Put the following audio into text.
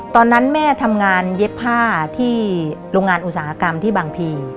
ตอนนั้นแม่ทำงานเย็บผ้าที่โรงงานอุตสาหกรรมที่บางพี